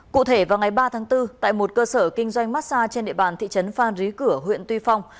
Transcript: cụ thể vào ngày ba tháng bốn tại một cơ sở kinh doanh massage trên địa bàn thị trấn phan rí cửa huyện tuy phong